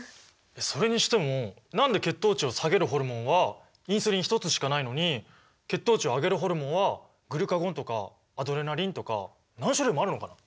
それにしても何で血糖値を下げるホルモンはインスリン１つしかないのに血糖値を上げるホルモンはグルカゴンとかアドレナリンとか何種類もあるのかな？